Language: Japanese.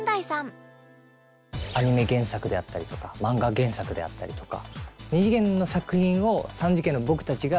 アニメ原作であったりとか漫画原作であったりとか。